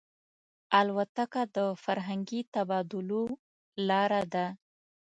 الوتکه د فرهنګي تبادلو لاره ده.